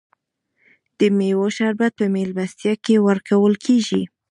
د میوو شربت په میلمستیا کې ورکول کیږي.